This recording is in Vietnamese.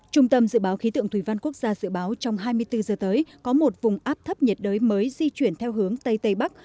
trung tâm dự báo khí tượng thủy văn quốc gia dự báo trong hai mươi bốn giờ tới có một vùng áp thấp nhiệt đới mới di chuyển theo hướng tây tây bắc